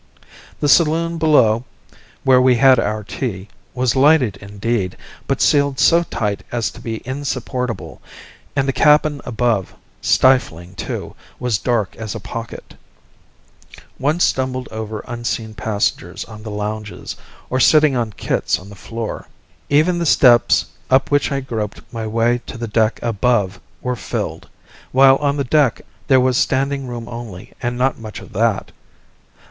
The saloon below, where we had our tea, was lighted indeed, but sealed so tight as to be insupportable; and the cabin above, stifling too, was dark as a pocket. One stumbled over unseen passengers on the lounges, or sitting on kits on the floor. Even the steps up which I groped my way to the deck above were filled, while on the deck there was standing room only and not much of that.